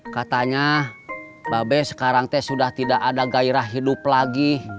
katanya babes sekarang sudah tidak ada gairah hidup lagi